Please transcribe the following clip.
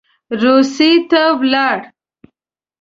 روسیې ته ولاړ.